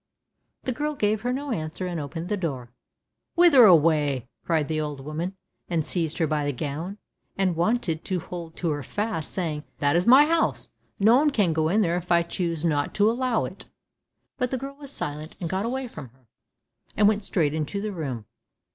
The girl gave her no answer, and opened the door. "Whither away," cried the old woman, and seized her by the gown, and wanted to hold her fast, saying, "That is my house; no one can go in there if I choose not to allow it." But the girl was silent, got away from her, and went straight into the room.